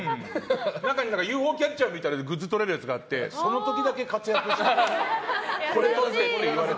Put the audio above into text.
中にＵＦＯキャッチャーみたいなグッズとれるやつがあってその時だけ活躍した。